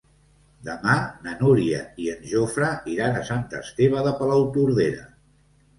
Demà na Núria i en Jofre iran a Sant Esteve de Palautordera.